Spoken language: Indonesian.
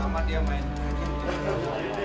ada tuh yang tuh